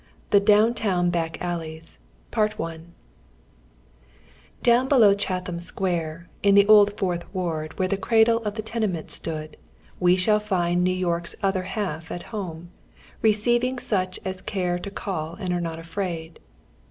THE DOWN TOWN BACK ALLEYS. T^OWS" below Cliatliam Square, in tlie old Fourth *—' "Ward, where the cradle of the teiieiueiit stood, we shall find New York's Other Hiilf at home, receiving such as care to call and are not afraid.